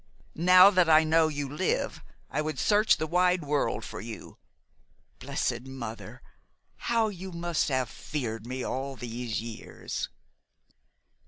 Now that I know you live, I would search the wide world for you. Blessed Mother! How you must have feared me all these years!"